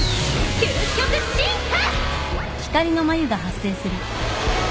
究極進化！